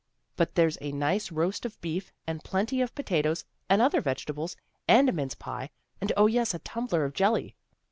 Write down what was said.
" But there's a nice roast of beef, and plenty of potatoes, and other vegetables, and a mince pie, and, 0, yes, a tumbler of jelly."